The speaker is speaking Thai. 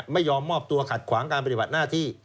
ไม่ยอมมอบตัวขัดขวางการปฏิบัติหน้าที่